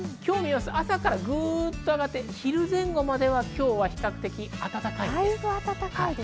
朝からぐんと上がって昼前後までは今日は比較的暖かいです。